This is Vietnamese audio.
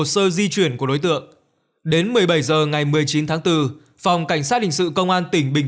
hồ sơ di chuyển của đối tượng đến một mươi bảy h ngày một mươi chín tháng bốn phòng cảnh sát hình sự công an tỉnh bình